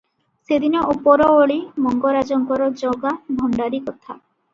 ସେଦିନ ଉପରଓଳି ମଙ୍ଗରାଜଙ୍କର ଜଗା ଭଣ୍ଡାରୀ କଥା ।